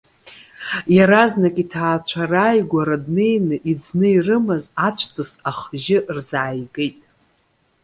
Иаразнак иҭаацәа рааигәара днеины иӡны ирымаз ацәҵыс ахжьы рзааигеит.